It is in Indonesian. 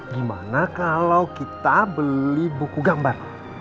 gimana kalau kita beli buku gambar